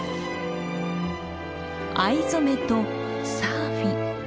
藍染めとサーフィン。